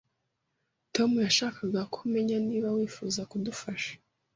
Tom yashakaga ko menya niba wifuza kudufasha